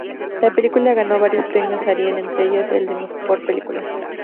La película ganó varios premios Ariel, entre ellos el de "Mejor película".